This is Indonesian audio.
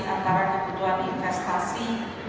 antara kebutuhan investasi